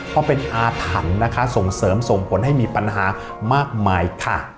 เพราะเป็นอาถรรพ์นะคะส่งเสริมส่งผลให้มีปัญหามากมายค่ะ